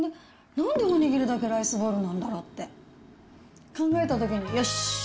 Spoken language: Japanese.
なんでお握りだけライスボールなんだろうって、考えたときに、よし！